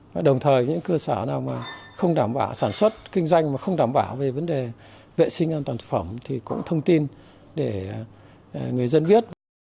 và đồng thời những cơ sở nào mà không đảm bảo sản xuất kinh doanh mà không đảm bảo về vấn đề vệ sinh an toàn thực phẩm thì cũng thông tin để người dân viết